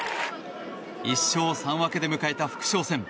１勝３分けで迎えた副将戦。